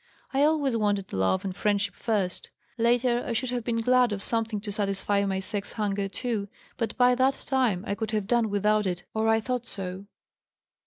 I always wanted love and friendship first; later I should have been glad of something to satisfy my sex hunger too, but by that time I could have done without it, or I thought so."